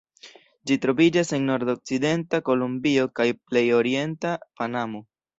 Ĝi troviĝas en nordokcidenta Kolombio kaj plej orienta Panamo.